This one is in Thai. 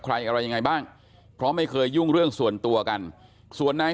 อะไรยังไงบ้างเพราะไม่เคยยุ่งเรื่องส่วนตัวกันส่วนนาย